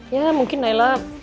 ya mungkin naila